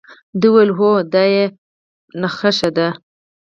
ده وویل هو او دا یې نخښه ده.